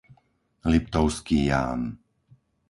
Liptovský Ján